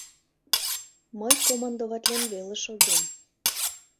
Мый командоватлен веле шогем: